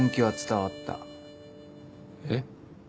えっ？